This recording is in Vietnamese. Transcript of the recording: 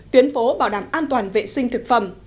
tuyến phố bảo đảm an toàn vệ sinh thực phẩm